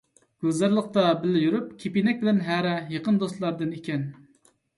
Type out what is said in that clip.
گۈلزارلىقتا بىللە يۈرۇپ كىپىنەك بىلەن ھەرە يېقىن دوستلاردىن ئىدىكەن .